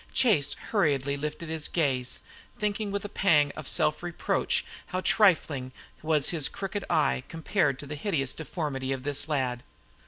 Chase hurriedly lifted his gaze, thinking with a pang of self reproach how trifling was his crooked eye compared to the hideous deformity of this lad.